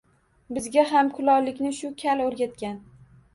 Bizga ham kulollikni shu kal o‘rgatgan